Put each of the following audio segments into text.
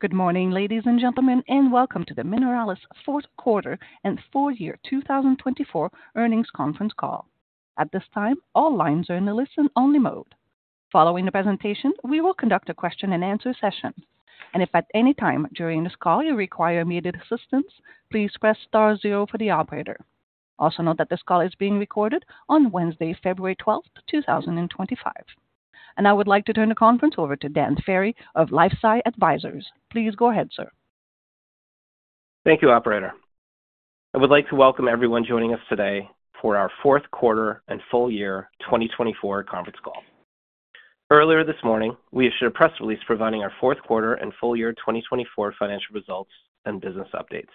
Good morning, ladies and gentlemen, and welcome to the Mineralys Therapeutics fourth quarter and full year 2024 earnings conference call. At this time, all lines are in the listen-only mode. Following the presentation, we will conduct a question-and-answer session, and if at any time during this call you require immediate assistance, please press star zero for the operator. Also note that this call is being recorded on Wednesday, February 12th, 2025. And I would like to turn the conference over to Dan Ferry of LifeSci Advisors. Please go ahead, sir. Thank you, Operator. I would like to welcome everyone joining us today for our fourth quarter and full year 2024 conference call. Earlier this morning, we issued a press release providing our fourth quarter and full year 2024 financial results and business updates.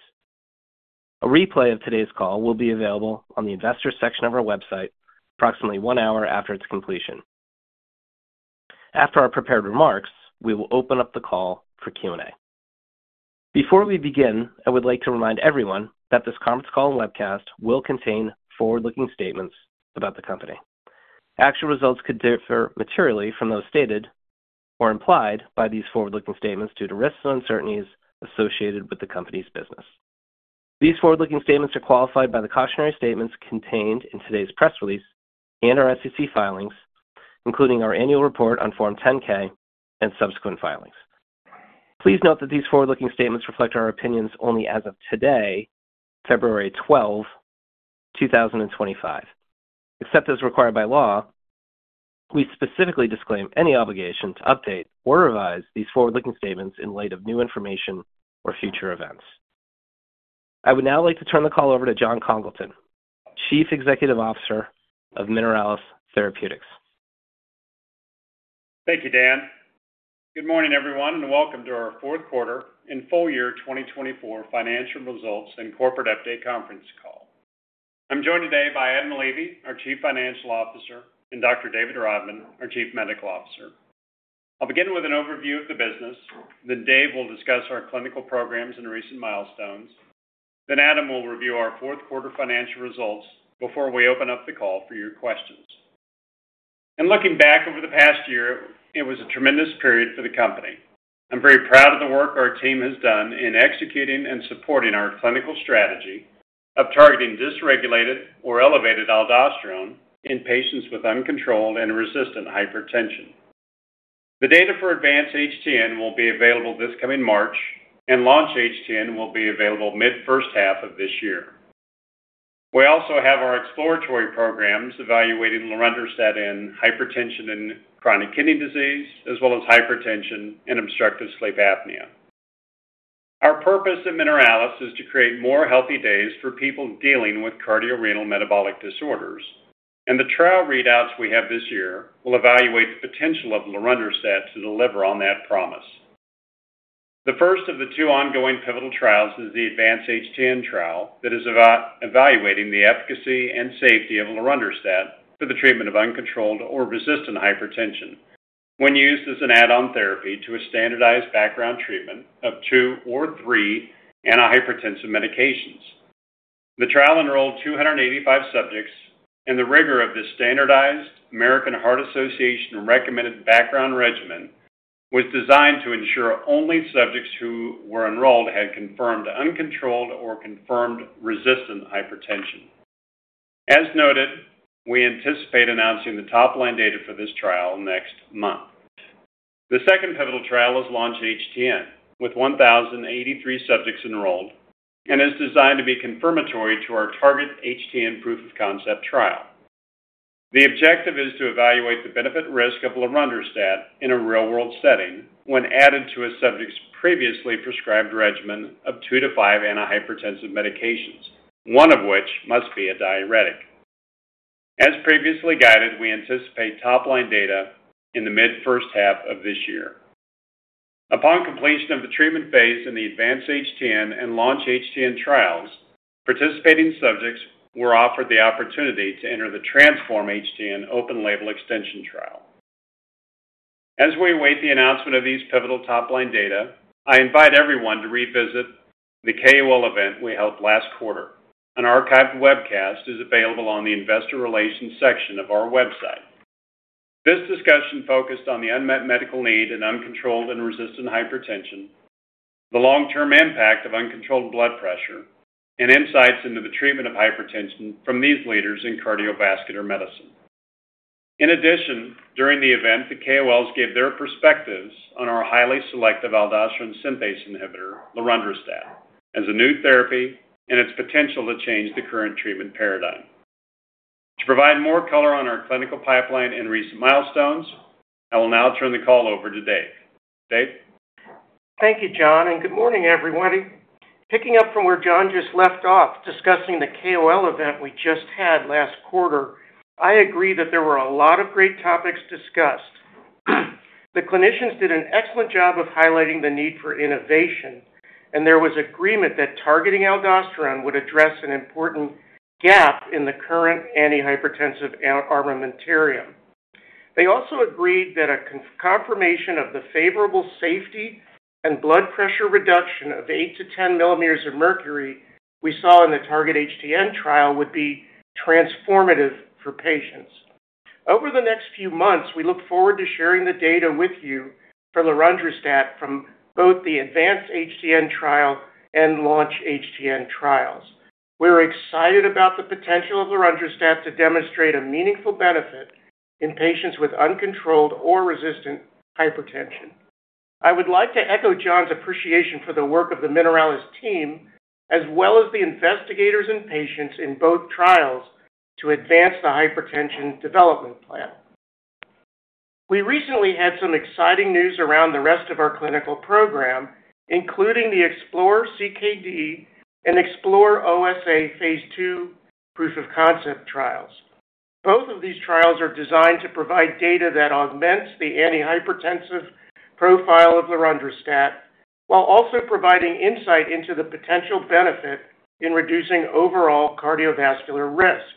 A replay of today's call will be available on the Investor section of our website approximately one hour after its completion. After our prepared remarks, we will open up the call for Q&A. Before we begin, I would like to remind everyone that this conference call and webcast will contain forward-looking statements about the company. Actual results could differ materially from those stated or implied by these forward-looking statements due to risks and uncertainties associated with the company's business. These forward-looking statements are qualified by the cautionary statements contained in today's press release and our SEC filings, including our annual report on Form 10-K and subsequent filings. Please note that these forward-looking statements reflect our opinions only as of today, February 12th, 2025. Except as required by law, we specifically disclaim any obligation to update or revise these forward-looking statements in light of new information or future events. I would now like to turn the call over to Jon Congleton, Chief Executive Officer of Mineralys Therapeutics. Thank you, Dan. Good morning, everyone, and welcome to our fourth quarter and full year 2024 financial results and corporate update conference call. I'm joined today by Adam Levy, our Chief Financial Officer, and Dr. David Rodman, our Chief Medical Officer. I'll begin with an overview of the business. Then Dave will discuss our clinical programs and recent milestones. Then Adam will review our fourth quarter financial results before we open up the call for your questions. In looking back over the past year, it was a tremendous period for the company. I'm very proud of the work our team has done in executing and supporting our clinical strategy of targeting dysregulated or elevated aldosterone in patients with uncontrolled and resistant hypertension. The data for Advance-HTN will be available this coming March, and Launch-HTN will be available mid-first half of this year. We also have our exploratory programs evaluating lorundrostat, hypertension, and chronic kidney disease, as well as hypertension and obstructive sleep apnea. Our purpose at Mineralys is to create more healthy days for people dealing with cardiorenal metabolic disorders, and the trial readouts we have this year will evaluate the potential of lorundrostat to deliver on that promise. The first of the two ongoing pivotal trials is the Advance-HTN trial that is evaluating the efficacy and safety of lorundrostat for the treatment of uncontrolled or resistant hypertension when used as an add-on therapy to a standardized background treatment of two or three antihypertensive medications. The trial enrolled 285 subjects, and the rigor of the standardized American Heart Association-recommended background regimen was designed to ensure only subjects who were enrolled had confirmed uncontrolled or confirmed resistant hypertension. As noted, we anticipate announcing the top-line data for this trial next month. The second pivotal trial is Launch-HTN with 1,083 subjects enrolled and is designed to be confirmatory to our Target-HTN proof-of-concept trial. The objective is to evaluate the benefit-risk of lorundrostat in a real-world setting when added to a subject's previously prescribed regimen of two to five antihypertensive medications, one of which must be a diuretic. As previously guided, we anticipate top-line data in the mid-first half of this year. Upon completion of the treatment phase in the Advance-HTN and Launch-HTN trials, participating subjects were offered the opportunity to enter the Transform-HTN open-label extension trial. As we await the announcement of these pivotal top-line data, I invite everyone to revisit the KOL event we held last quarter. An archived webcast is available on the Investor Relations section of our website. This discussion focused on the unmet medical need in uncontrolled and resistant hypertension, the long-term impact of uncontrolled blood pressure, and insights into the treatment of hypertension from these leaders in cardiovascular medicine. In addition, during the event, the KOLs gave their perspectives on our highly selective aldosterone synthase inhibitor, lorundrostat, as a new therapy and its potential to change the current treatment paradigm. To provide more color on our clinical pipeline and recent milestones, I will now turn the call over to Dave. Dave? Thank you, Jon, and good morning, everybody. Picking up from where Jon just left off discussing the KOL event we just had last quarter, I agree that there were a lot of great topics discussed. The clinicians did an excellent job of highlighting the need for innovation, and there was agreement that targeting aldosterone would address an important gap in the current antihypertensive armamentarium. They also agreed that a confirmation of the favorable safety and blood pressure reduction of 8-10 mmHg we saw in the Target-HTN trial would be transformative for patients. Over the next few months, we look forward to sharing the data with you for lorundrostat from both the Advance-HTN trial and Launch-HTN trials. We're excited about the potential of lorundrostat to demonstrate a meaningful benefit in patients with uncontrolled or resistant hypertension. I would like to echo Jon's appreciation for the work of the Mineralys team as well as the investigators and patients in both trials to advance the hypertension development plan. We recently had some exciting news around the rest of our clinical program, including the Explore-CKD and Explore-OSA phase II proof-of-concept trials. Both of these trials are designed to provide data that augments the antihypertensive profile of lorundrostat while also providing insight into the potential benefit in reducing overall cardiovascular risk.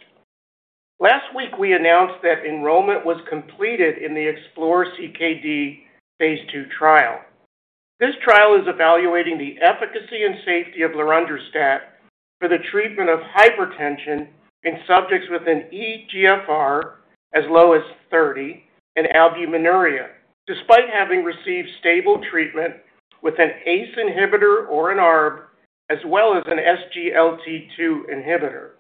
Last week, we announced that enrollment was completed in the Explore-CKD phase II trial. This trial is evaluating the efficacy and safety of lorundrostat for the treatment of hypertension in subjects with an eGFR as low as 30 and albuminuria, despite having received stable treatment with an ACE inhibitor or an ARB, as well as an SGLT2 inhibitor.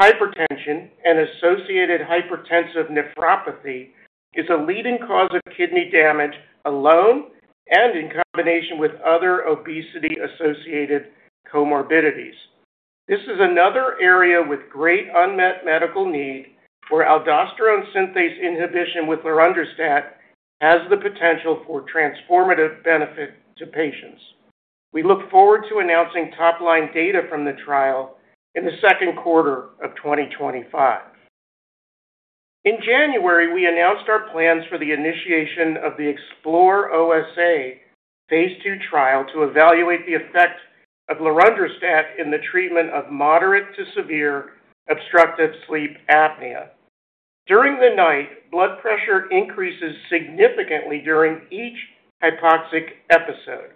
Hypertension and associated hypertensive nephropathy is a leading cause of kidney damage alone and in combination with other obesity-associated comorbidities. This is another area with great unmet medical need where aldosterone synthase inhibition with lorundrostat has the potential for transformative benefit to patients. We look forward to announcing top-line data from the trial in the second quarter of 2025. In January, we announced our plans for the initiation of the Explore-OSA phase II trial to evaluate the effect of lorundrostat in the treatment of moderate to severe obstructive sleep apnea. During the night, blood pressure increases significantly during each hypoxic episode.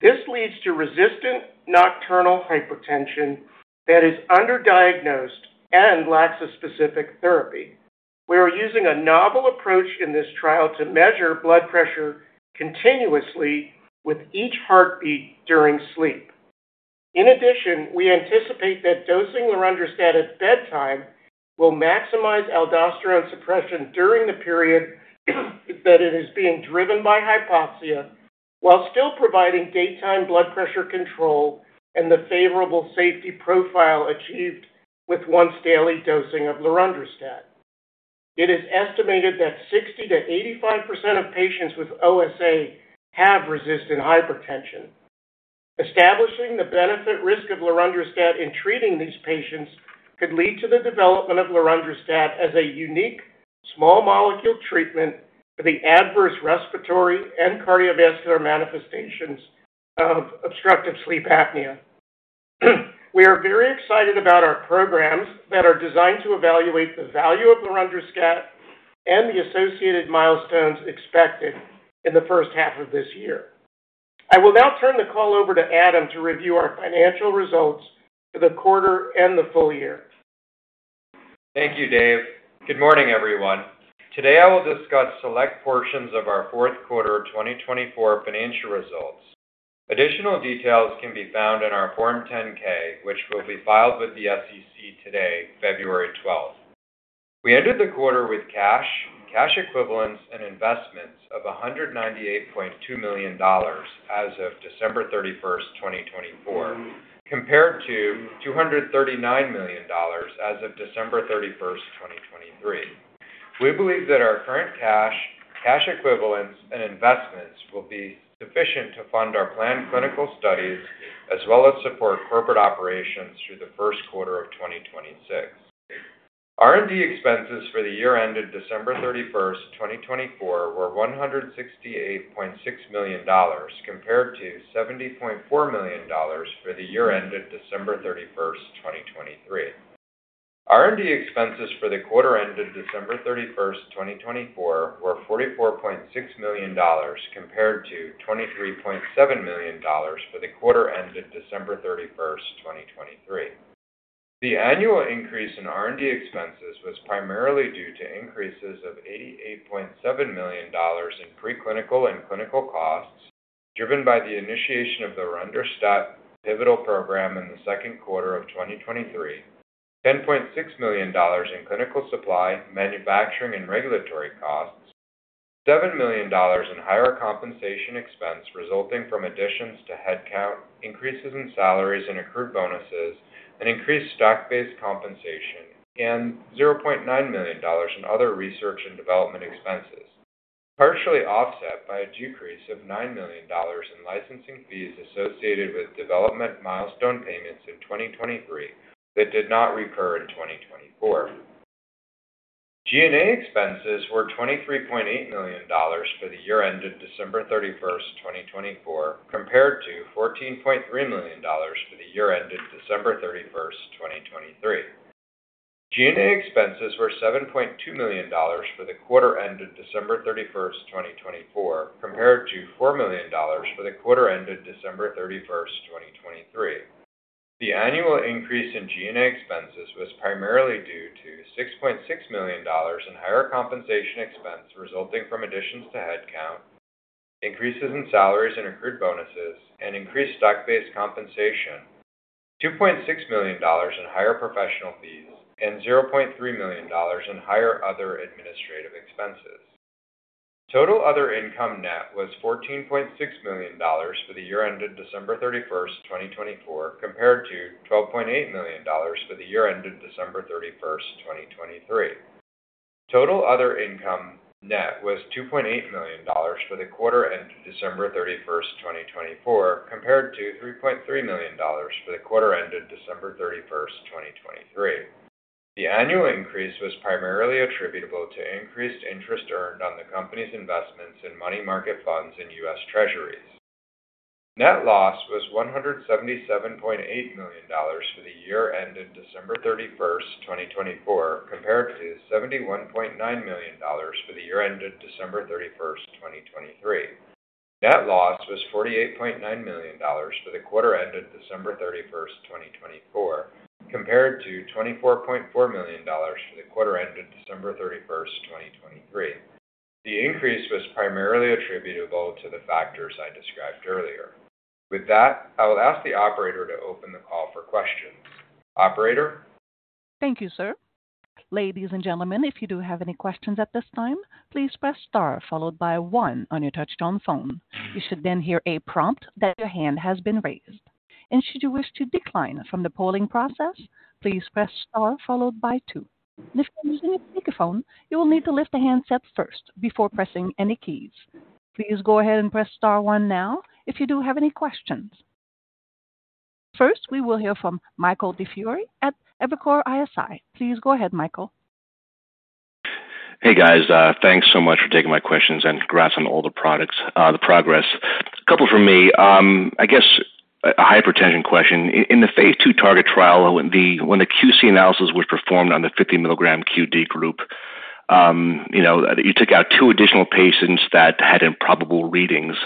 This leads to resistant nocturnal hypertension that is underdiagnosed and lacks a specific therapy. We are using a novel approach in this trial to measure blood pressure continuously with each heartbeat during sleep. In addition, we anticipate that dosing lorundrostat at bedtime will maximize aldosterone suppression during the period that it is being driven by hypoxia while still providing daytime blood pressure control and the favorable safety profile achieved with once-daily dosing of lorundrostat. It is estimated that 60%-85% of patients with OSA have resistant hypertension. Establishing the benefit-risk of lorundrostat in treating these patients could lead to the development of lorundrostat as a unique small-molecule treatment for the adverse respiratory and cardiovascular manifestations of obstructive sleep apnea. We are very excited about our programs that are designed to evaluate the value of lorundrostat and the associated milestones expected in the first half of this year. I will now turn the call over to Adam to review our financial results for the quarter and the full year. Thank you, Dave. Good morning, everyone. Today, I will discuss select portions of our Fourth Quarter 2024 financial results. Additional details can be found in our Form 10-K, which will be filed with the SEC today, February 12th. We ended the quarter with cash, cash equivalents, and investments of $198.2 million as of December 31st, 2024, compared to $239 million as of December 31st, 2023. We believe that our current cash, cash equivalents, and investments will be sufficient to fund our planned clinical studies as well as support corporate operations through the first quarter of 2026. R&D expenses for the year ended December 31st, 2024, were $168.6 million compared to $70.4 million for the year ended December 31st, 2023. R&D expenses for the quarter ended December 31st, 2024, were $44.6 million compared to $23.7 million for the quarter ended December 31st, 2023. The annual increase in R&D expenses was primarily due to increases of $88.7 million in preclinical and clinical costs driven by the initiation of the lorundrostat pivotal program in the second quarter of 2023, $10.6 million in clinical supply, manufacturing, and regulatory costs, $7 million in higher compensation expense resulting from additions to headcount, increases in salaries and accrued bonuses, and increased stock-based compensation, and $0.9 million in other research and development expenses, partially offset by a decrease of $9 million in licensing fees associated with development milestone payments in 2023 that did not recur in 2024. G&A expenses were $23.8 million for the year ended December 31st, 2024, compared to $14.3 million for the year ended December 31st, 2023. G&A expenses were $7.2 million for the quarter ended December 31st, 2024, compared to $4 million for the quarter ended December 31st, 2023. The annual increase in G&A expenses was primarily due to $6.6 million in higher compensation expense resulting from additions to headcount, increases in salaries and accrued bonuses, and increased stock-based compensation, $2.6 million in higher professional fees, and $0.3 million in higher other administrative expenses. Total other income net was $14.6 million for the year ended December 31st, 2024, compared to $12.8 million for the year ended December 31st, 2023. Total other income net was $2.8 million for the quarter ended December 31st, 2024, compared to $3.3 million for the quarter ended December 31st, 2023. The annual increase was primarily attributable to increased interest earned on the company's investments in money market funds and U.S. Treasuries. Net loss was $177.8 million for the year ended December 31st, 2024, compared to $71.9 million for the year ended December 31st, 2023. Net loss was $48.9 million for the quarter ended December 31st, 2024, compared to $24.4 million for the quarter ended December 31st, 2023. The increase was primarily attributable to the factors I described earlier. With that, I will ask the operator to open the call for questions. Operator? Thank you, sir. Ladies and gentlemen, if you do have any questions at this time, please press star followed by one on your touch-tone phone. You should then hear a prompt that your hand has been raised. And should you wish to decline from the polling process, please press star followed by two. And if you're using a speakerphone, you will need to lift the handset first before pressing any keys. Please go ahead and press star one now if you do have any questions. First, we will hear from Michael DiFiore at Evercore ISI. Please go ahead, Michael. Hey, guys. Thanks so much for taking my questions and congrats on all the progress. A couple from me. I guess a hypertension question. In the phase II Target-HTN trial, when the QC analysis was performed on the 50 mg QD group, you took out two additional patients that had improbable readings,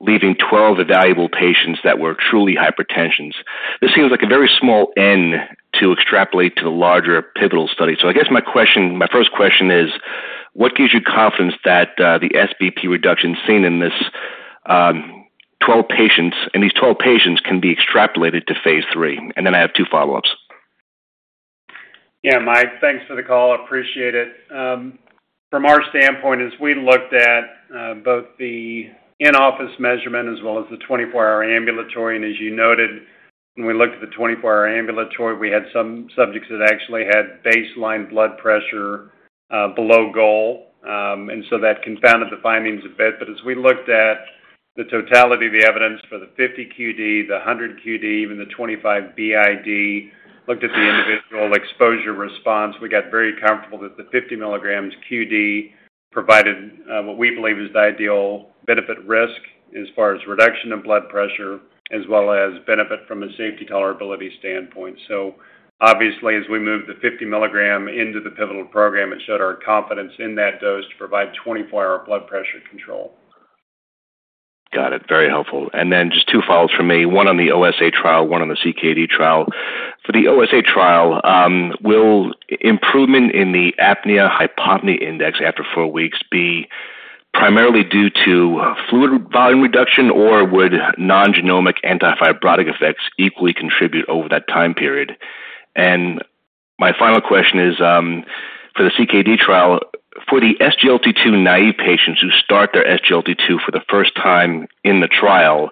leaving 12 valuable patients that were truly hypertensive. This seems like a very small n to extrapolate to the larger pivotal study. So I guess my first question is, what gives you confidence that the SBP reduction seen in these 12 patients can be extrapolated to phase III? And then I have two follow-ups. Yeah, Mike, thanks for the call. Appreciate it. From our standpoint, as we looked at both the in-office measurement as well as the 24-hour ambulatory, and as you noted, when we looked at the 24-hour ambulatory, we had some subjects that actually had baseline blood pressure below goal. And so that confounded the findings a bit. But as we looked at the totality of the evidence for the 50 QD, the 100 QD, even the 25 BID, looked at the individual exposure response, we got very comfortable that the 50 mg QD provided what we believe is the ideal benefit-risk as far as reduction of blood pressure as well as benefit from a safety tolerability standpoint. So obviously, as we moved the 50 mg into the pivotal program, it showed our confidence in that dose to provide 24-hour blood pressure control. Got it. Very helpful. And then just two follow-ups from me. One on the OSA trial, one on the CKD trial. For the OSA trial, will improvement in the apnea-hypopnea index after four weeks be primarily due to fluid volume reduction, or would non-genomic antifibrotic effects equally contribute over that time period? And my final question is, for the CKD trial, for the SGLT2 naive patients who start their SGLT2 for the first time in the trial,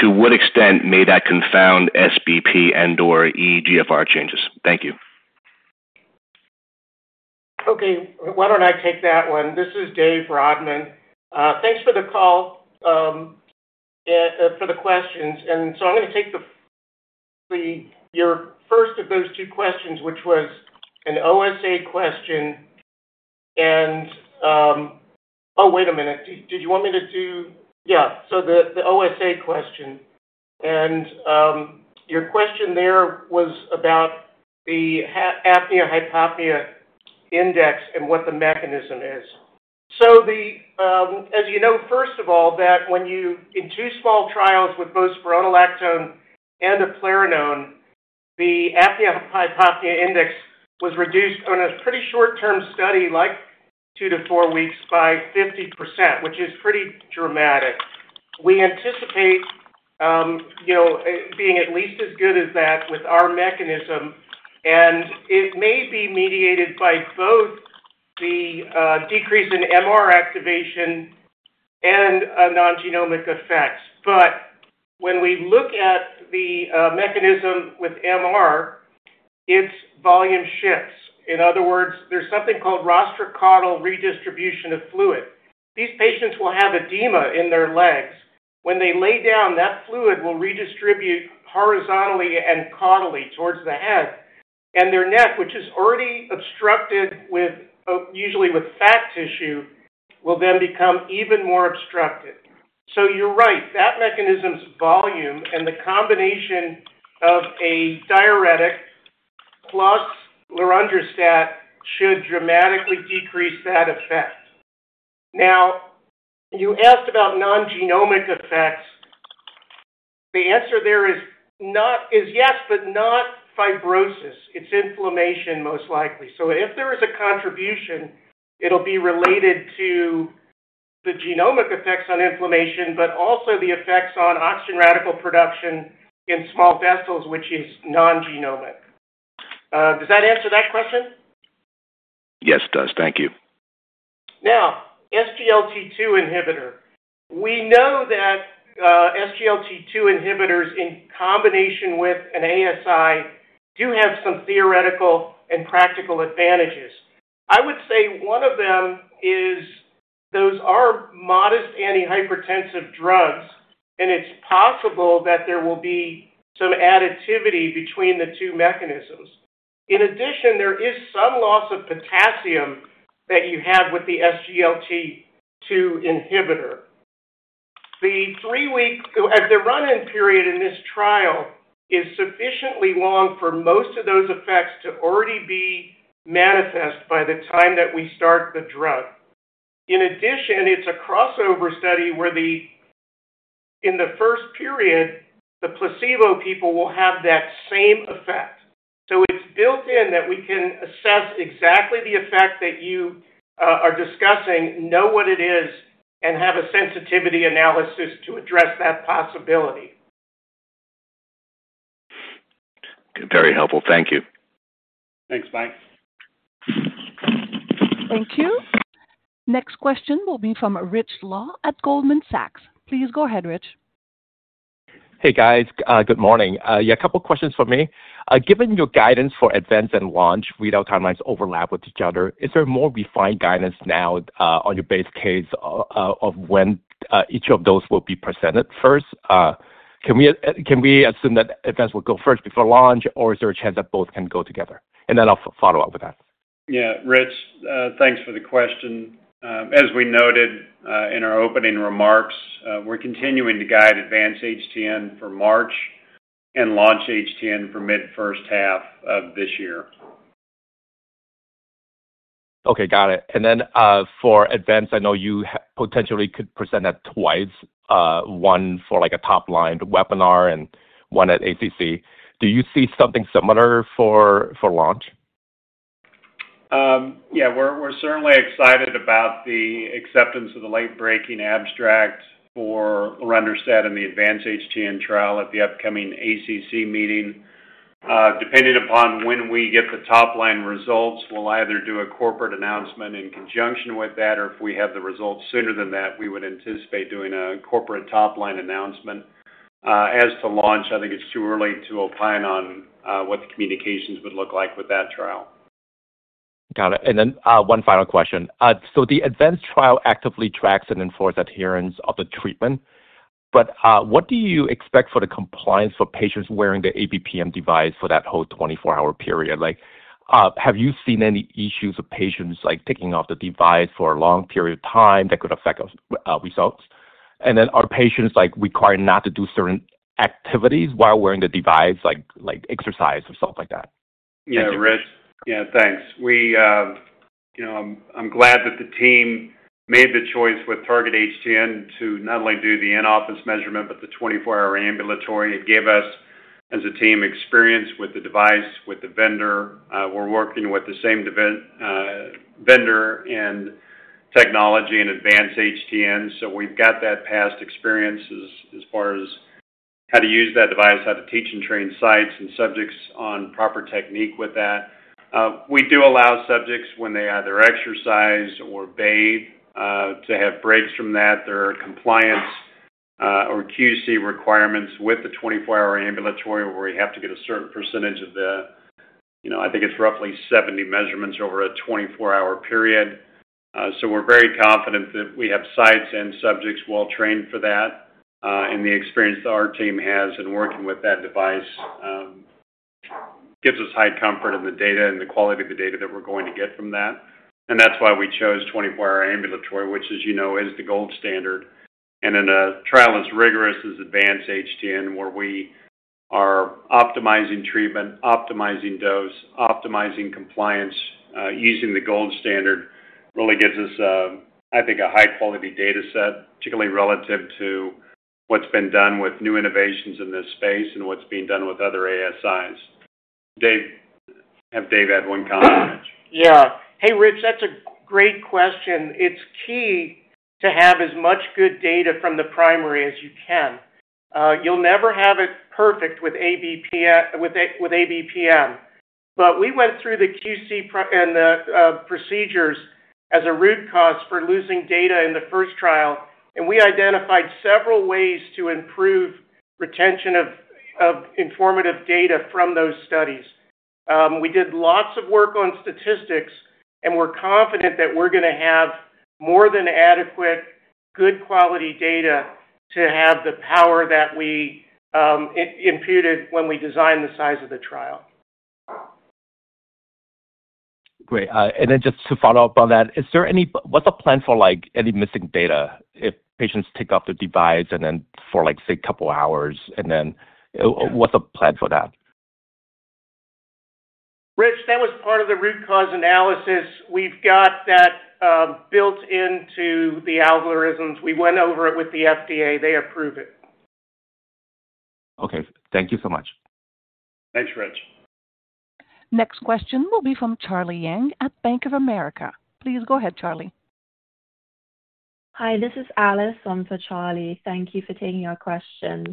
to what extent may that confound SBP and/or eGFR changes? Thank you. Okay. Why don't I take that one? This is Dave Rodman. Thanks for the call for the questions. And so I'm going to take your first of those two questions, which was an OSA question. So the OSA question. And your question there was about the apnea-hypopnea index and what the mechanism is. So as you know, first of all, that when you in two small trials with both spironolactone and eplerenone, the apnea-hypopnea index was reduced on a pretty short-term study, like two to four weeks, by 50%, which is pretty dramatic. We anticipate being at least as good as that with our mechanism. And it may be mediated by both the decrease in MR activation and non-genomic effects. But when we look at the mechanism with MR, its volume shifts. In other words, there's something called rostrocaudal redistribution of fluid. These patients will have edema in their legs. When they lay down, that fluid will redistribute horizontally and caudally towards the head. And their neck, which is already obstructed usually with fat tissue, will then become even more obstructed. So you're right. That mechanism's volume and the combination of a diuretic plus lorundrostat should dramatically decrease that effect. Now, you asked about non-genomic effects. The answer there is yes, but not fibrosis. It's inflammation, most likely. So if there is a contribution, it'll be related to the genomic effects on inflammation, but also the effects on oxygen radical production in small vessels, which is non-genomic. Does that answer that question? Yes, it does. Thank you. Now, SGLT2 inhibitor. We know that SGLT2 inhibitors in combination with an ASI do have some theoretical and practical advantages. I would say one of them is those are modest antihypertensive drugs, and it's possible that there will be some additivity between the two mechanisms. In addition, there is some loss of potassium that you have with the SGLT2 inhibitor. The run-in period in this trial is sufficiently long for most of those effects to already be manifest by the time that we start the drug. In addition, it's a crossover study where in the first period, the placebo people will have that same effect. So it's built in that we can assess exactly the effect that you are discussing, know what it is, and have a sensitivity analysis to address that possibility. Very helpful. Thank you. Thanks, Mike. Thank you. Next question will be from Rich Law at Goldman Sachs. Please go ahead, Rich. Hey, guys. Good morning. Yeah, a couple of questions for me. Given your guidance for Advance and Launch, readout timelines overlap with each other. Is there more refined guidance now on your base case of when each of those will be presented first? Can we assume that Advance will go first before Launch, or is there a chance that both can go together? And then I'll follow up with that. Yeah, Rich, thanks for the question. As we noted in our opening remarks, we're continuing to guide Advance-HTN for March and Launch-HTN for mid-first half of this year. Okay. Got it. And then for Advance, I know you potentially could present that twice, one for a top-line webinar and one at ACC. Do you see something similar for Launch? Yeah. We're certainly excited about the acceptance of the late-breaking abstract for lorundrostat and the Advance-HTN trial at the upcoming ACC meeting. Depending upon when we get the top-line results, we'll either do a corporate announcement in conjunction with that, or if we have the results sooner than that, we would anticipate doing a corporate top-line announcement. As to Launch, I think it's too early to opine on what the communications would look like with that trial. Got it, and then one final question, so the Advance trial actively tracks and enforces adherence of the treatment, but what do you expect for the compliance for patients wearing the ABPM device for that whole 24-hour period? Have you seen any issues of patients taking off the device for a long period of time that could affect results? and then are patients required not to do certain activities while wearing the device, like exercise or something like that? Yeah, Rich. Yeah, thanks. I'm glad that the team made the choice with Target-HTN to not only do the in-office measurement but the 24-hour ambulatory. It gave us, as a team, experience with the device, with the vendor. We're working with the same vendor and technology in Advance-HTN. So we've got that past experience as far as how to use that device, how to teach and train sites and subjects on proper technique with that. We do allow subjects when they either exercise or bathe to have breaks from that. There are compliance or QC requirements with the 24-hour ambulatory where we have to get a certain percentage of the. I think it's roughly 70 measurements over a 24-hour period. So we're very confident that we have sites and subjects well-trained for that. The experience that our team has in working with that device gives us high comfort in the data and the quality of the data that we're going to get from that. That's why we chose 24-hour ambulatory, which, as you know, is the gold standard. Then the trial is rigorous as Advance-HTN, where we are optimizing treatment, optimizing dose, optimizing compliance, using the gold standard. It really gives us, I think, a high-quality data set, particularly relative to what's been done with new innovations in this space and what's being done with other ASIs. Dave, do you have one comment? Yeah. Hey, Rich, that's a great question. It's key to have as much good data from the primary as you can. You'll never have it perfect with ABPM. But we went through the QC and the procedures as a root cause for losing data in the first trial. And we identified several ways to improve retention of informative data from those studies. We did lots of work on statistics and were confident that we're going to have more than adequate, good-quality data to have the power that we imputed when we designed the size of the trial. Great. And then just to follow up on that, what's the plan for any missing data if patients take off the device for, say, a couple of hours? And then what's the plan for that? Rich, that was part of the root cause analysis. We've got that built into the algorithms. We went over it with the FDA. They approve it. Okay. Thank you so much. Thanks, Rich. Next question will be from Charlie Yang at Bank of America. Please go ahead, Charlie. Hi, this is Alice on for Charlie. Thank you for taking our questions.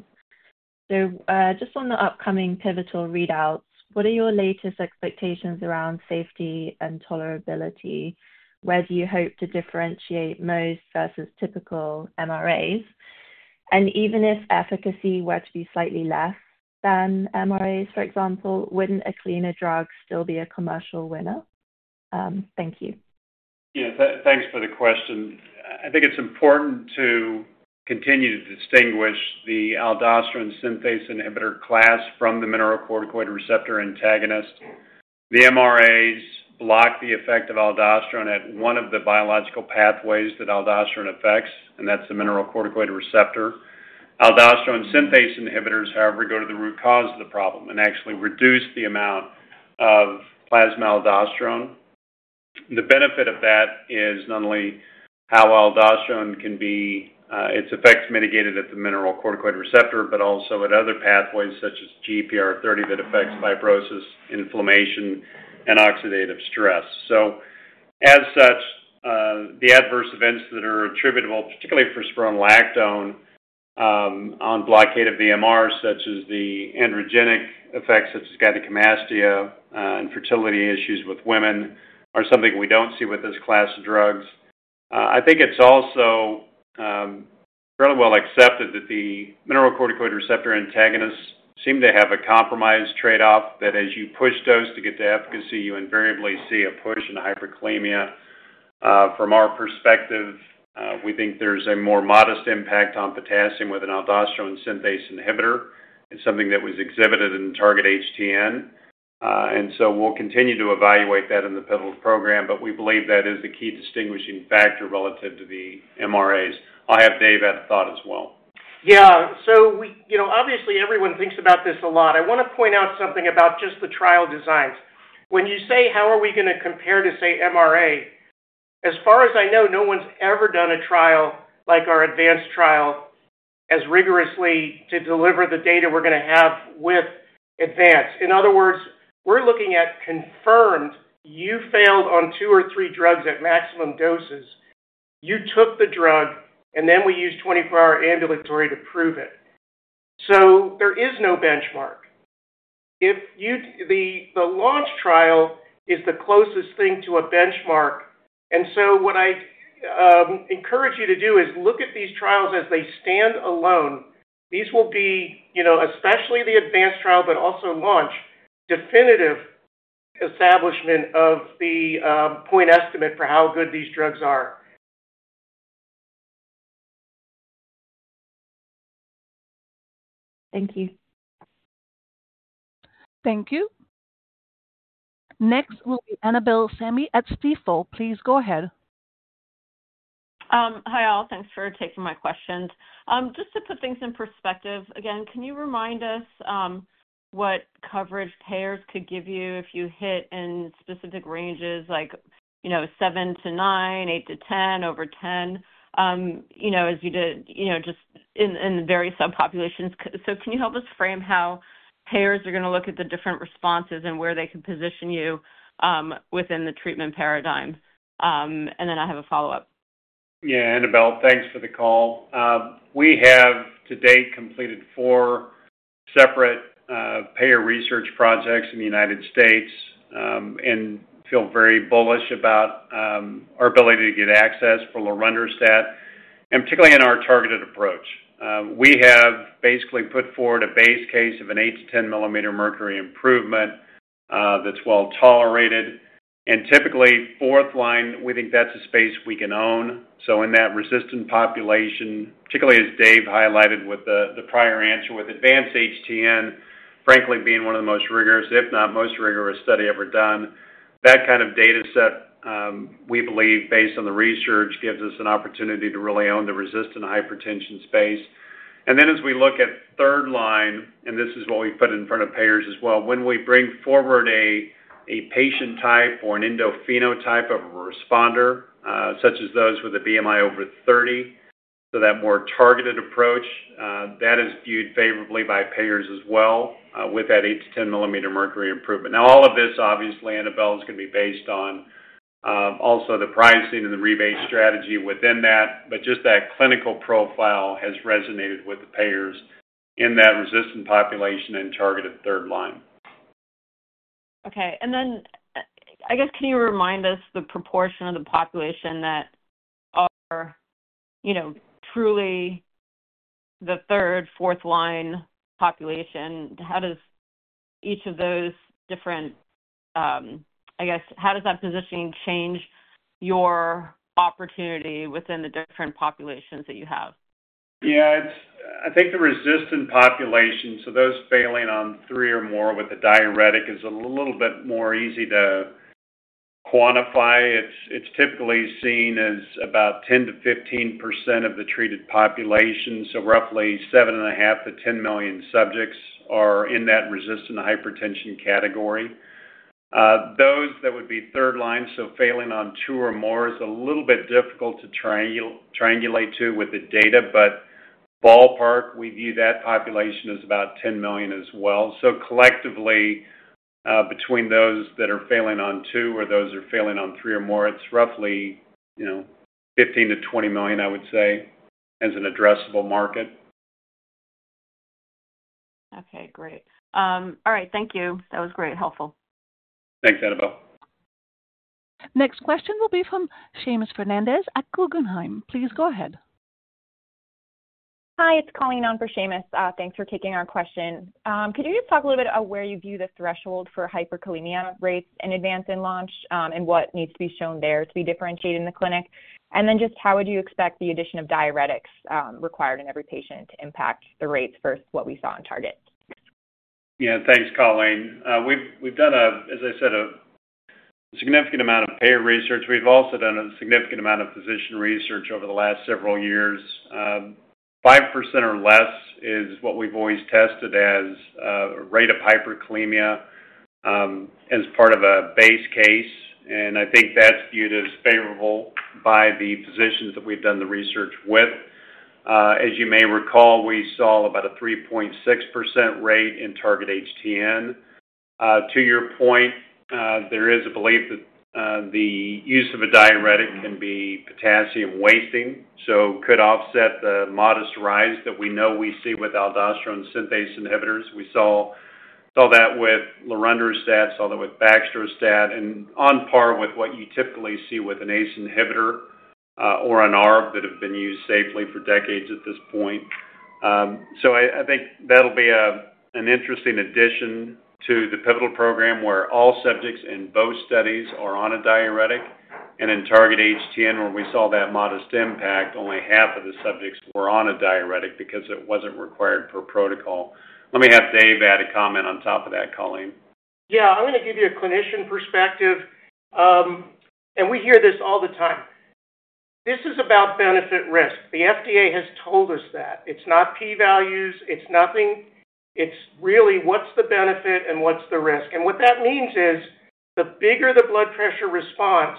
So just on the upcoming pivotal readouts, what are your latest expectations around safety and tolerability? Where do you hope to differentiate most versus typical MRAs? And even if efficacy were to be slightly less than MRAs, for example, wouldn't a cleaner drug still be a commercial winner? Thank you. Yeah. Thanks for the question. I think it's important to continue to distinguish the aldosterone synthase inhibitor class from the mineralocorticoid receptor antagonist. The MRAs block the effect of aldosterone at one of the biological pathways that aldosterone affects, and that's the mineralocorticoid receptor. Aldosterone synthase inhibitors, however, go to the root cause of the problem and actually reduce the amount of plasma aldosterone. The benefit of that is not only how aldosterone can be, its effect's mitigated at the mineralocorticoid receptor, but also at other pathways such as GPR30 that affects fibrosis, inflammation, and oxidative stress. So as such, the adverse events that are attributable, particularly for spironolactone, on blockade of the MR, such as the androgenic effects such as gynecomastia and fertility issues with women, are something we don't see with this class of drugs. I think it's also fairly well accepted that the mineralocorticoid receptor antagonists seem to have a compromised trade-off, that as you push dose to get to efficacy, you invariably see a push and a hyperkalemia. From our perspective, we think there's a more modest impact on potassium with an aldosterone synthase inhibitor. It's something that was exhibited in Target-HTN. And so we'll continue to evaluate that in the pivotal program, but we believe that is the key distinguishing factor relative to the MRAs. I'll have Dave add a thought as well. Yeah. So obviously, everyone thinks about this a lot. I want to point out something about just the trial designs. When you say, "How are we going to compare to, say, MRA?" As far as I know, no one's ever done a trial like our Advance trial as rigorously to deliver the data we're going to have with Advance. In other words, we're looking at confirmed. You failed on two or three drugs at maximum doses. You took the drug, and then we used 24-hour ambulatory to prove it. So there is no benchmark. The Launch trial is the closest thing to a benchmark. And so what I encourage you to do is look at these trials as they stand alone. These will be, especially the Advance trial, but also Launch, definitive establishment of the point estimate for how good these drugs are. Thank you. Thank you. Next will be Annabel Samimy at Stifel. Please go ahead. Hi, all. Thanks for taking my questions. Just to put things in perspective, again, can you remind us what coverage payers could give you if you hit in specific ranges like 7-9, 8-10, over 10, as you did just in the various subpopulations? So can you help us frame how payers are going to look at the different responses and where they can position you within the treatment paradigm? And then I have a follow-up. Yeah. Annabel, thanks for the call. We have, to date, completed four separate payer research projects in the United States and feel very bullish about our ability to get access for lorundrostat, and particularly in our targeted approach. We have basically put forward a base case of an 8- to 10-mmHg improvement that's well tolerated. And typically, fourth-line, we think that's a space we can own. So in that resistant population, particularly as Dave highlighted with the prior answer, with Advance-HTN, frankly, being one of the most rigorous, if not most rigorous, studies ever done, that kind of data set, we believe, based on the research, gives us an opportunity to really own the resistant hypertension space. Then as we look at third-line, and this is what we put in front of payers as well, when we bring forward a patient type or an endophenotype of a responder, such as those with a BMI over 30, so that more targeted approach, that is viewed favorably by payers as well with that 8-10 mmHg improvement. Now, all of this, obviously, Annabelle, is going to be based on also the pricing and the rebate strategy within that. But just that clinical profile has resonated with the payers in that resistant population and targeted third-line. Okay. And then I guess, can you remind us the proportion of the population that are truly the third, fourth-line population? How does each of those different, I guess, how does that positioning change your opportunity within the different populations that you have? Yeah. I think the resistant population, so those failing on three or more with a diuretic, is a little bit more easy to quantify. It's typically seen as about 10%-15% of the treated population. So roughly 7.5 million-10 million subjects are in that resistant hypertension category. Those that would be third-line, so failing on two or more, is a little bit difficult to triangulate to with the data. But ballpark, we view that population as about 10 million as well. So collectively, between those that are failing on two or those that are failing on three or more, it's roughly 15 million-20 million, I would say, as an addressable market. Okay. Great. All right. Thank you. That was great and helpful. Thanks, Annabel. Next question will be from Seamus Fernandez at Guggenheim. Please go ahead. Hi. It's Colleen on for Seamus. Thanks for taking our question. Could you just talk a little bit about where you view the threshold for hyperkalemia rates in Advance and Launch and what needs to be shown there to be differentiated in the clinic? And then just how would you expect the addition of diuretics required in every patient to impact the rates versus what we saw in Target? Yeah. Thanks, Colleen. We've done, as I said, a significant amount of payer research. We've also done a significant amount of physician research over the last several years. 5% or less is what we've always tested as a rate of hyperkalemia as part of a base case. And I think that's viewed as favorable by the physicians that we've done the research with. As you may recall, we saw about a 3.6% rate in Target-HTN. To your point, there is a belief that the use of a diuretic can be potassium-wasting, so it could offset the modest rise that we know we see with aldosterone synthase inhibitors. We saw that with lorundrostat, saw that with baxdrostat, and on par with what you typically see with an ACE inhibitor or an ARB that have been used safely for decades at this point. So I think that'll be an interesting addition to the pivotal program where all subjects in both studies are on a diuretic. And in Target-HTN, where we saw that modest impact, only half of the subjects were on a diuretic because it wasn't required per protocol. Let me have Dave add a comment on top of that, Colleen. Yeah. I'm going to give you a clinician perspective. And we hear this all the time. This is about benefit-risk. The FDA has told us that. It's not p-values. It's nothing. It's really what's the benefit and what's the risk. And what that means is the bigger the blood pressure response,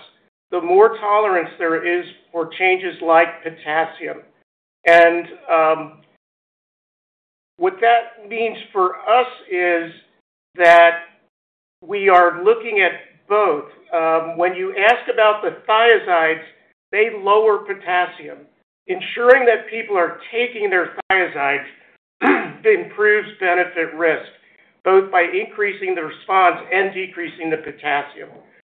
the more tolerance there is for changes like potassium. And what that means for us is that we are looking at both. When you ask about the thiazides, they lower potassium. Ensuring that people are taking their thiazides improves benefit-risk, both by increasing the response and decreasing the potassium.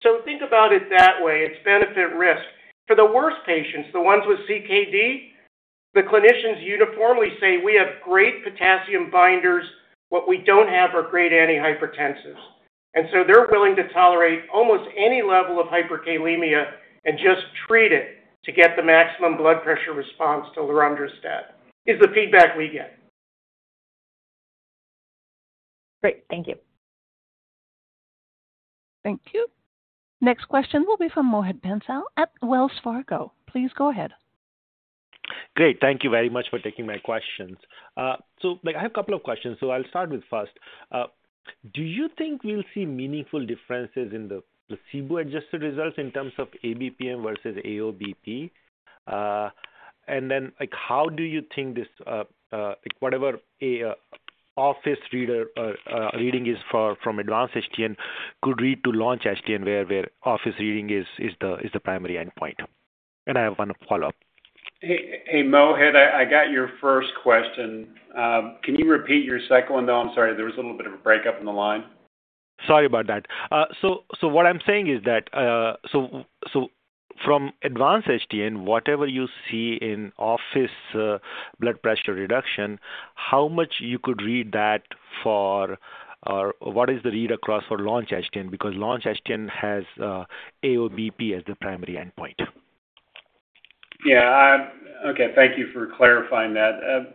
So think about it that way. It's benefit-risk. For the worst patients, the ones with CKD, the clinicians uniformly say, "We have great potassium binders. What we don't have are great antihypertensives." So they're willing to tolerate almost any level of hyperkalemia and just treat it to get the maximum blood pressure response to lorundrostat. It's the feedback we get. Great. Thank you. Thank you. Next question will be from Mohit Bansal at Wells Fargo. Please go ahead. Great. Thank you very much for taking my questions. So I have a couple of questions. So I'll start with first. Do you think we'll see meaningful differences in the placebo-adjusted results in terms of ABPM versus AOBP? And then how do you think whatever office BP reading is from Advance-HTN could lead to Launch-HTN where office reading is the primary endpoint? And I have one follow-up. Hey, Mohit. I got your first question. Can you repeat your second one, though? I'm sorry. There was a little bit of a breakup in the line. Sorry about that. So what I'm saying is that from Advance-HTN, whatever you see in office blood pressure reduction, how much you could read that for, or what is the read across for Launch-HTN? Because Launch-HTN has AOBP as the primary endpoint. Yeah. Okay. Thank you for clarifying that.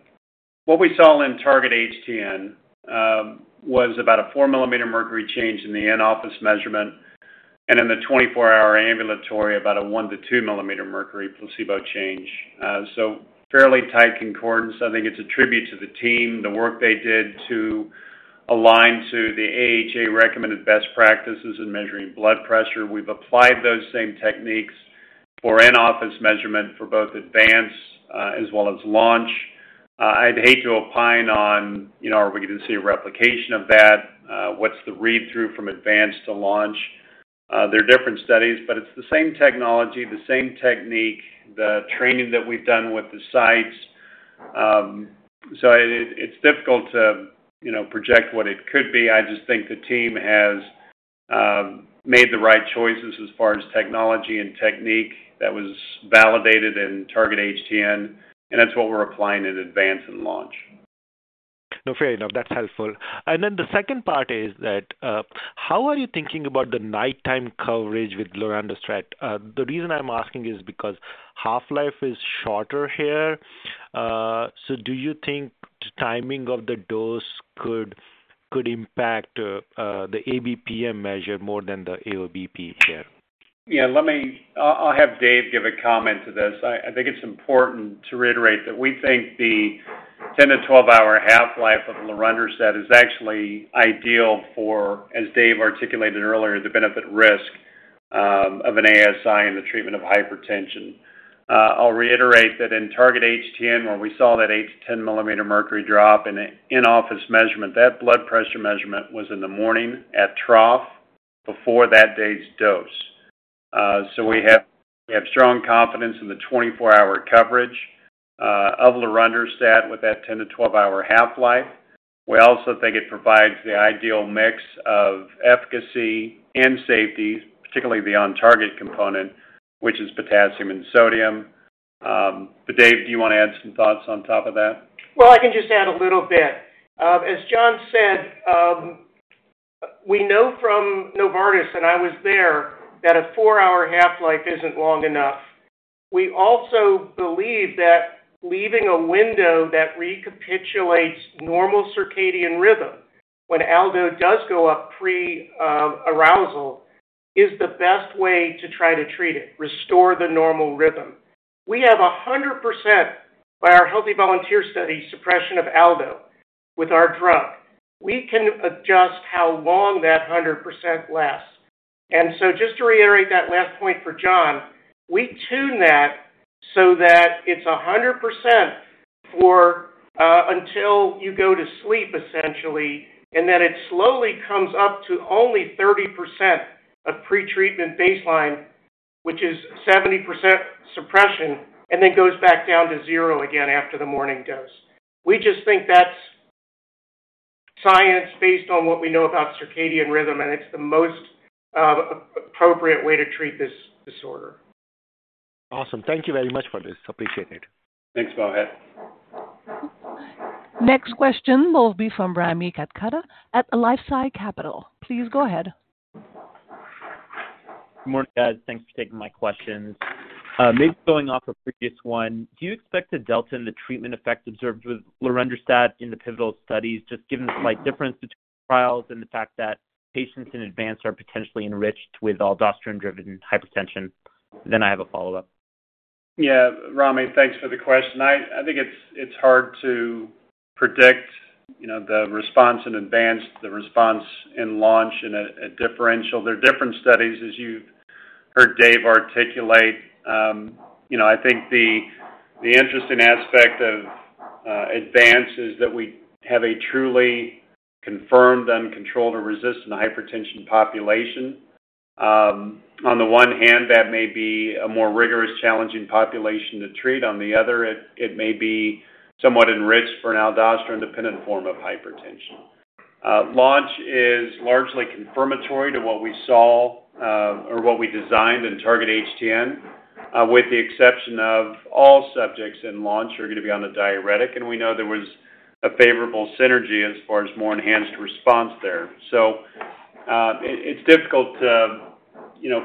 What we saw in Target-HTN was about a 4 mmHg change in the in-office measurement. And in the 24-hour ambulatory, about a 1 to 2 mmHg placebo change. So fairly tight concordance. I think it's a tribute to the team, the work they did to align to the AHA-recommended best practices in measuring blood pressure. We've applied those same techniques for in-office measurement for both Advance HTN as well as Launch-HTN. I'd hate to opine on, are we going to see a replication of that? What's the read-through from Advance HTN to Launch-HTN? They're different studies, but it's the same technology, the same technique, the training that we've done with the sites. So it's difficult to project what it could be. I just think the team has made the right choices as far as technology and technique that was validated in Target-HTN. That's what we're applying in Advance and Launch. No, fair enough. That's helpful. And then the second part is that how are you thinking about the nighttime coverage with lorundrostat? The reason I'm asking is because half-life is shorter here. So do you think the timing of the dose could impact the ABPM measure more than the AOBP here? Yeah. I'll have Dave give a comment to this. I think it's important to reiterate that we think the 10-12-hour half-life of lorundrostat is actually ideal for, as Dave articulated earlier, the benefit-risk of an ASI in the treatment of hypertension. I'll reiterate that in Target-HTN, where we saw that 8-10 mmHg drop in the in-office measurement, that blood pressure measurement was in the morning at trough before that day's dose. So we have strong confidence in the 24-hour coverage of lorundrostat with that 10-12-hour half-life. We also think it provides the ideal mix of efficacy and safety, particularly the on-target component, which is potassium and sodium. But Dave, do you want to add some thoughts on top of that? I can just add a little bit. As Jon said, we know from Novartis, and I was there, that a four-hour half-life isn't long enough. We also believe that leaving a window that recapitulates normal circadian rhythm when aldo does go up pre-arousal is the best way to try to treat it, restore the normal rhythm. We have 100%, by our Healthy Volunteer Study, suppression of aldo with our drug. We can adjust how long that 100% lasts. And so just to reiterate that last point for John, we tune that so that it's 100% until you go to sleep, essentially, and then it slowly comes up to only 30% of pretreatment baseline, which is 70% suppression, and then goes back down to zero again after the morning dose. We just think that's science based on what we know about circadian rhythm, and it's the most appropriate way to treat this disorder. Awesome. Thank you very much for this. Appreciate it. Thanks, Mohit. Next question will be from Rami Katkhuda at LifeSci Capital. Please go ahead. Good morning, guys. Thanks for taking my questions. Maybe going off a previous one, do you expect to delta in the treatment effect observed with lorundrostat in the pivotal studies, just given the slight difference between trials and the fact that patients in Advance are potentially enriched with aldosterone-driven hypertension? Then I have a follow-up. Yeah. Rami, thanks for the question. I think it's hard to predict the response in Advance, the response in Launch in a differential. They're different studies, as you've heard Dave articulate. I think the interesting aspect of Advance is that we have a truly confirmed, uncontrolled, or resistant hypertension population. On the one hand, that may be a more rigorous, challenging population to treat. On the other, it may be somewhat enriched for an aldosterone-dependent form of hypertension. Launch is largely confirmatory to what we saw or what we designed in Target-HTN, with the exception of all subjects in Launch are going to be on a diuretic. And we know there was a favorable synergy as far as more enhanced response there. So it's difficult to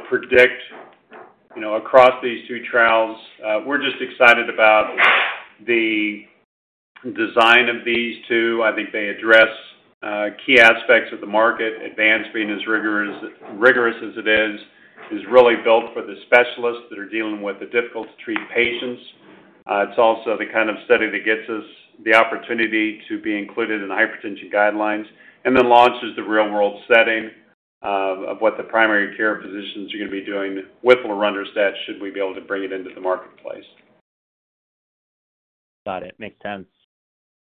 predict across these two trials. We're just excited about the design of these two. I think they address key aspects of the market. Advance, being as rigorous as it is, is really built for the specialists that are dealing with the difficult-to-treat patients. It's also the kind of study that gets us the opportunity to be included in the hypertension guidelines. And then Launch is the real-world setting of what the primary care physicians are going to be doing with lorundrostat should we be able to bring it into the marketplace. Got it. Makes sense.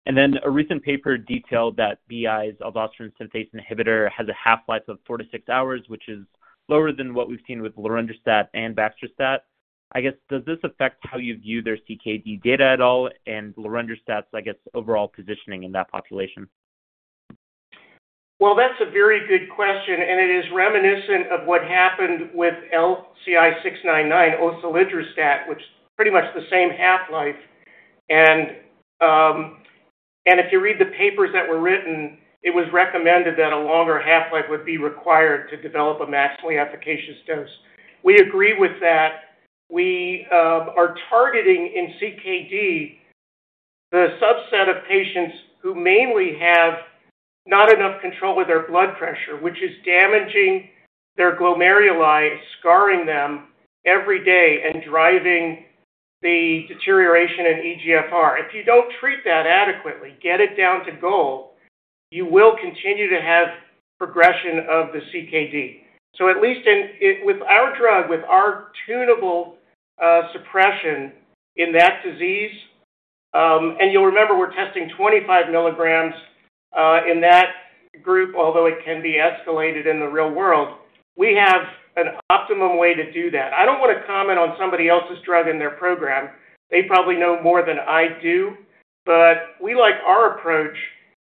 And then a recent paper detailed that BI's aldosterone synthase inhibitor has a half-life of four to six hours, which is lower than what we've seen with lorundrostat and Baxdrostat. I guess, does this affect how you view their CKD data at all and lorundrostat's, I guess, overall positioning in that population? That's a very good question. It is reminiscent of what happened with LCI699, osilodrostat, which is pretty much the same half-life. If you read the papers that were written, it was recommended that a longer half-life would be required to develop a maximally efficacious dose. We agree with that. We are targeting in CKD the subset of patients who mainly have not enough control with their blood pressure, which is damaging their glomeruli, scarring them every day, and driving the deterioration in eGFR. If you don't treat that adequately, get it down to goal, you will continue to have progression of the CKD. At least with our drug, with our tunable suppression in that disease, and you'll remember we're testing 25 mg in that group, although it can be escalated in the real world, we have an optimum way to do that. I don't want to comment on somebody else's drug in their program. They probably know more than I do. But we like our approach.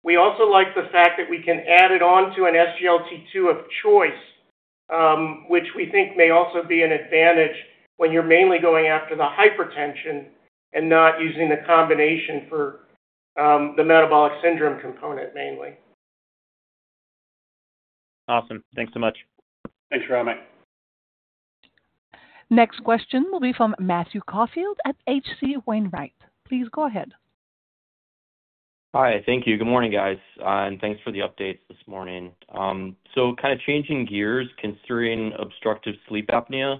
We also like the fact that we can add it on to an SGLT2 of choice, which we think may also be an advantage when you're mainly going after the hypertension and not using the combination for the metabolic syndrome component mainly. Awesome. Thanks so much. Thanks, Rami. Next question will be from Matthew Caufield at H.C. Wainwright. Please go ahead. Hi. Thank you. Good morning, guys, and thanks for the updates this morning, so kind of changing gears, considering obstructive sleep apnea,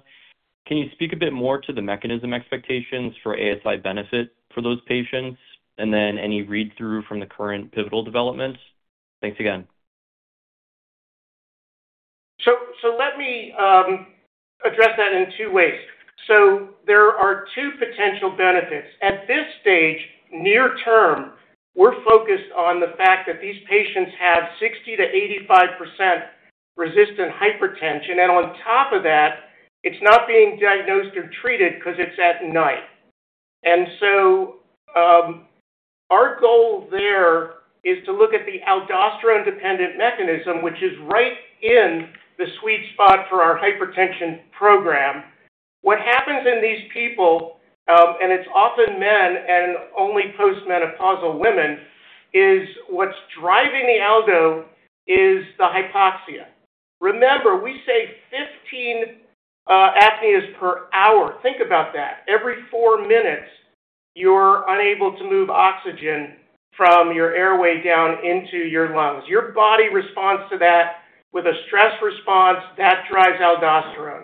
can you speak a bit more to the mechanism expectations for ASI benefit for those patients, and then any read-through from the current pivotal developments? Thanks again. Let me address that in two ways. There are two potential benefits. At this stage, near-term, we're focused on the fact that these patients have 60%-85% resistant hypertension. And on top of that, it's not being diagnosed or treated because it's at night. And so our goal there is to look at the aldosterone-dependent mechanism, which is right in the sweet spot for our hypertension program. What happens in these people, and it's often men and only postmenopausal women, is what's driving the aldo is the hypoxia. Remember, we say 15 apneas per hour. Think about that. Every four minutes, you're unable to move oxygen from your airway down into your lungs. Your body responds to that with a stress response. That drives aldosterone.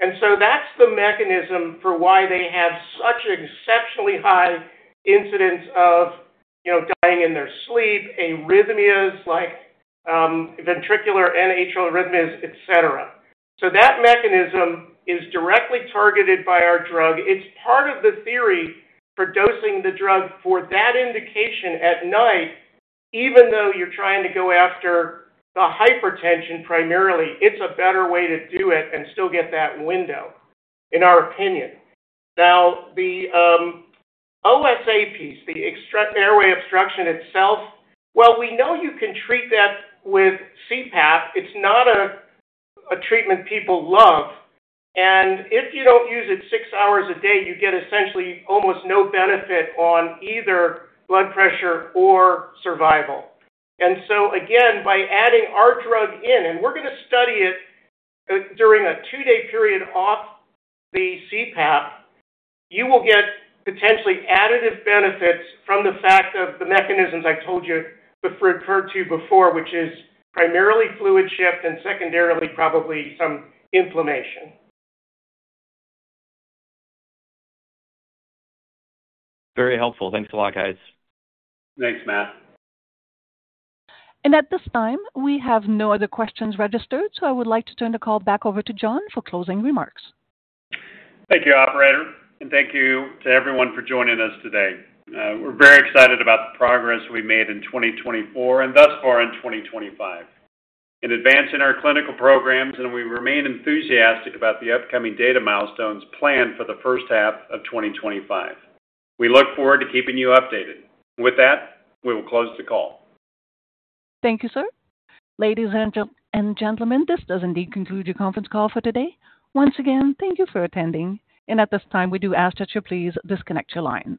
And so that's the mechanism for why they have such exceptionally high incidence of dying in their sleep, arrhythmias like ventricular and atrial arrhythmias, etc., so that mechanism is directly targeted by our drug. It's part of the theory for dosing the drug for that indication at night, even though you're trying to go after the hypertension primarily. It's a better way to do it and still get that window, in our opinion. Now, the OSA piece, the airway obstruction itself, well, we know you can treat that with CPAP. It's not a treatment people love, and if you don't use it six hours a day, you get essentially almost no benefit on either blood pressure or survival. And so again, by adding our drug in, and we're going to study it during a two-day period off the CPAP, you will get potentially additive benefits from the fact of the mechanisms I told you referred to before, which is primarily fluid shift and secondarily probably some inflammation. Very helpful. Thanks a lot, guys. Thanks, Matt. At this time, we have no other questions registered. I would like to turn the call back over to Jon for closing remarks. Thank you, operator, and thank you to everyone for joining us today. We're very excited about the progress we made in 2024 and thus far in 2025 in advancing our clinical programs, and we remain enthusiastic about the upcoming data milestones planned for the first half of 2025. We look forward to keeping you updated. With that, we will close the call. Thank you, sir. Ladies and gentlemen, this does indeed conclude your conference call for today. Once again, thank you for attending. And at this time, we do ask that you please disconnect your lines.